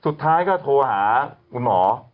สุดท้ายก็โทรหาคุณหมอ